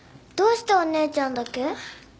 どうしてお姉ちゃんだけ？